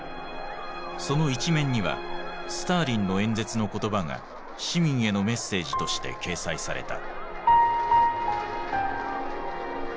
その一面にはスターリンの演説の言葉が市民へのメッセージとして掲載された。